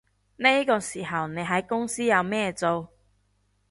呢啲時候你喺公司有咩做